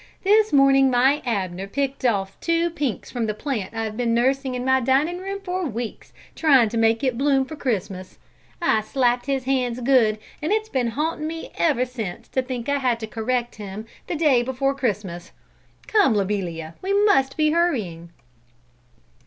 This morning my Abner picked off two pinks from the plant I've been nursing in my dining room for weeks, trying to make it bloom for Christmas. I slapped his hands good, and it's been haunting me ever since to think I had to correct him the day before Christmas Come, Lobelia, we must be hurrying!"